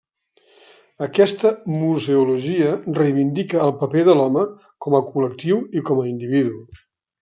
Aquesta museologia reivindica el paper de l'home com a col·lectiu i com a individu.